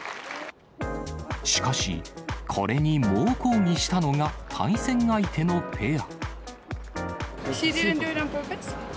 しかし、これに猛抗議したのが対戦相手のペア。